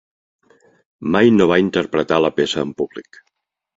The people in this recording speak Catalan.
Mai no va interpretar la peça en públic.